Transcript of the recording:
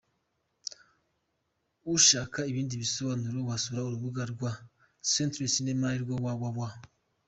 Ushaka ibindi bisobanuro wasura urubuga rwa Century Cinema arirwo www.